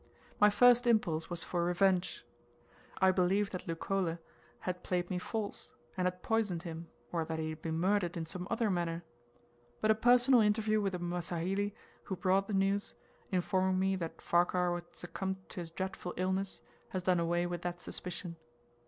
My first impulse was for revenge. I believed that Leukole had played me false, and had poisoned him, or that he had been murdered in some other manner; but a personal interview with the Msawahili who brought the news informing me that Farquhar had succumbed to his dreadful illness has done away with that suspicion.